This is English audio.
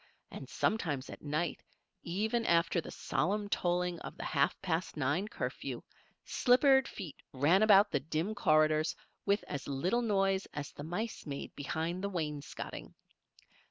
And sometimes at night, even after the solemn tolling of the half past nine curfew, slippered feet ran about the dim corridors with as little noise as the mice made behind the wainscoting.